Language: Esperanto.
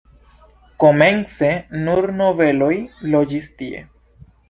Komence nur nobeloj loĝis tie.